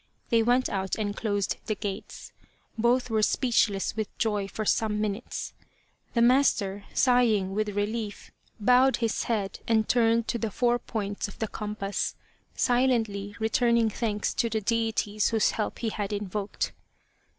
They went out and closed the gates. Both were speechless with joy for some minutes. The master, sighing with relief, bowed his head and 208 Loyal, Even Unto Death turned to the four points of the compass, silently returning thanks to the deities whose help he had invoked.